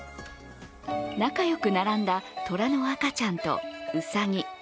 仲良く並んだとらの赤ちゃんとうさぎ。